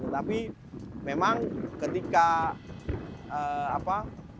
tapi memang ketika apa